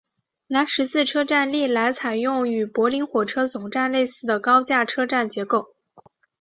南十字车站历来采用与柏林火车总站类似的高架车站结构。